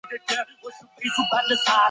直叶珠藓为珠藓科珠藓属下的一个种。